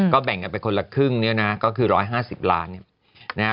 แบ่งกันไปคนละครึ่งเนี่ยนะก็คือ๑๕๐ล้าน